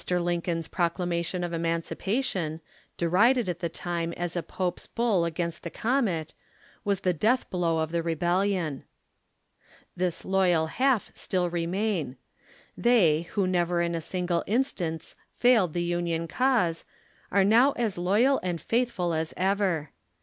Lincoln's proclamation of emancipation, derided at the time as a Pope's Bull against the comet, was the death blow of the rebellion. This loyal half still remain ; the}^, who never in a single instance failed the Union cause, are now as loyal and faithful as ever.